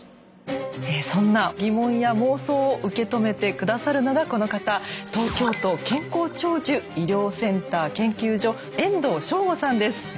そんな疑問や妄想を受け止めて下さるのがこの方東京都健康長寿医療センター研究所遠藤昌吾さんです。